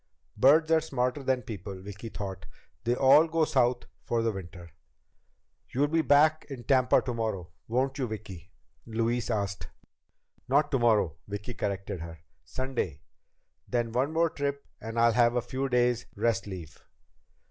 Birds are smarter than people, Vicki thought, they all go South for the winter. "You'll be back in Tampa tomorrow, won't you, Vicki?" Louise asked. "Not tomorrow," Vicki corrected her. "Sunday. Then one more trip and I'll have a few days' rest leave."